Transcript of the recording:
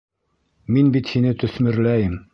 — Мин бит һине төҫмөрләйем.